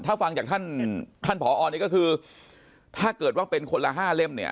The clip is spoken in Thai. ถ้าฟังจากท่านผอนี่ก็คือถ้าเกิดว่าเป็นคนละ๕เล่ม